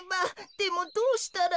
でもどうしたら。